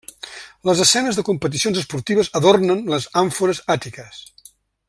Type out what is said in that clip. Les escenes de competicions esportives adornen les àmfores àtiques.